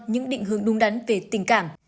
những định hướng đúng đắn về tình cảm